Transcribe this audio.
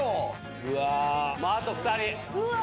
あと２人。